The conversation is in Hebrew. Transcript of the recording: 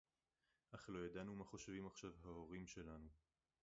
אַךְ לֹא יָדַעְנוּ מָה חוֹשְׁבִים עַכְשָׁיו הַהוֹרִים שֶׁלָּנוּ.